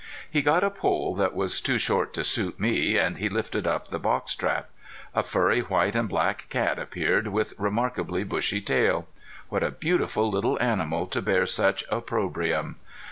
He got a pole that was too short to suit me, and he lifted up the box trap. A furry white and black cat appeared, with remarkably bushy tail. What a beautiful little animal to bear such opprobrium!